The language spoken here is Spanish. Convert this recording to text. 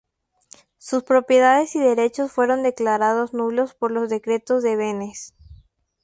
Sus propiedades y derechos fueron declarados nulos por los decretos de Beneš.